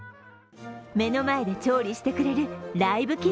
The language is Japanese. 目の前で調理してくれるライブ